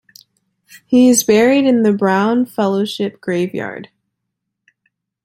He is buried in the Brown Fellowship Graveyard.